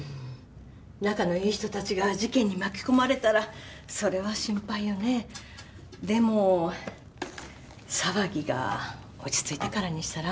仲のいい人達が事件に巻き込まれたらそれは心配よねでも騒ぎが落ち着いてからにしたら？